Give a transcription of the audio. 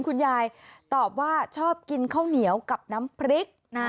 คุณยายตอบว่าชอบกินข้าวเหนียวกับน้ำพริกนะ